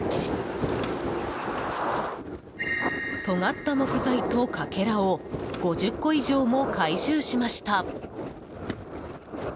とがった木材とかけらを５０個以上も回収しました。